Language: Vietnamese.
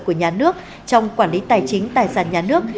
của nhà nước trong quản lý tài chính tài sản nhà nước